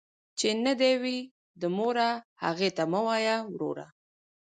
ـ چې نه دې وي، د موره هغه ته مه وايه وروره.